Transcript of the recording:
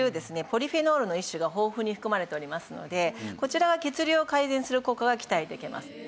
ポリフェノールの一種が豊富に含まれておりますのでこちらは血流を改善する効果が期待できます。